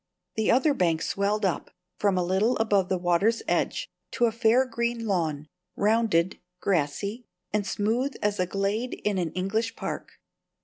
The other bank swelled up, from a little above the water's edge, to a fair green lawn, rounded, grassy, and smooth as a glade in an English park.